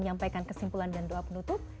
menyampaikan kesimpulan dan doa penutup